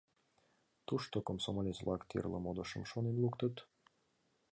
Тушто комсомолец-влак тӱрлӧ модышым шонен луктыт.